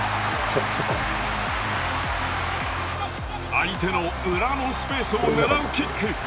相手の裏のスペースを狙うキック。